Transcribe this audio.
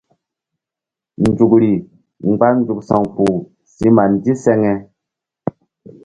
Nzukri mgba nzuk sa̧wkpuh si ma ndiseŋe.